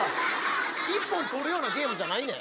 一本取るようなゲームじゃないねん。